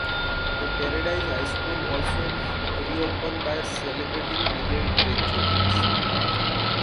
The Paradise High School also reopens by celebrating delayed graduates.